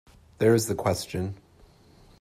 There is the question.